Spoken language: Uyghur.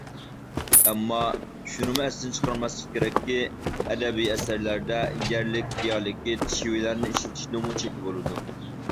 ئەمما، شۇنىمۇ ئەستىن چىقارماسلىق كېرەككى، ئەدەبىي ئەسەرلەردە يەرلىك دىيالېكت- شېۋىلەرنى ئىشلىتىشنىڭمۇ چېكى بولىدۇ.